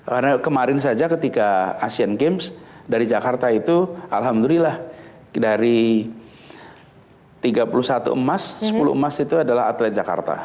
karena kemarin saja ketika asian games dari jakarta itu alhamdulillah dari tiga puluh satu emas sepuluh emas itu adalah atlet jakarta